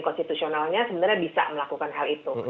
konstitusionalnya sebenarnya bisa melakukan hal itu